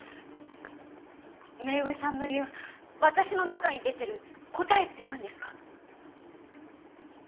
めう江さんの言う私の中に出てる答えって何ですか？